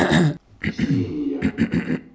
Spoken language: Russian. Ксения